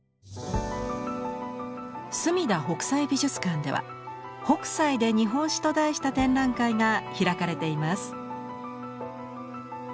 すみだ北斎美術館では「北斎で日本史」と題した展覧会が開かれています。